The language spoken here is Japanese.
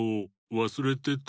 わすれてた。